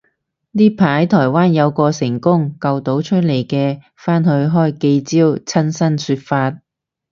呢排台灣有個成功救到出嚟嘅返去開記招親身說法